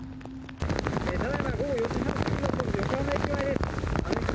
ただいま午後４時半過ぎの横浜駅前です。